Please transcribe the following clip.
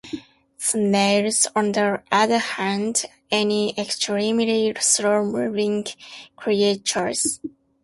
Snails, on the other hand, are extremely slow-moving creatures.